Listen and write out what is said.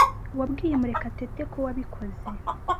Wabwiye Murekatete ko wabikoze?